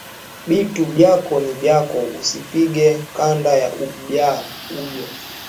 Bitu byako ni byako usipige kanda ya abyo